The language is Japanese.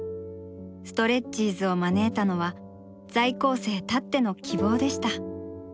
ストレッチーズを招いたのは在校生たっての希望でした。